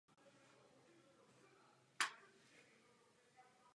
Zároveň jako jedinou autoritu uznávali Bibli.